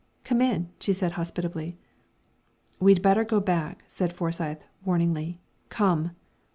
"Come in," she said hospitably. "We'd better go back," said Forsyth, warningly. "Come!"